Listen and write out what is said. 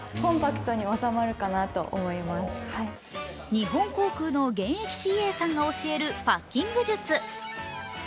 日本航空の現役ＣＡさんが教えるパッキング術。